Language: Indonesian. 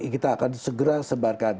kita akan segera sebarkan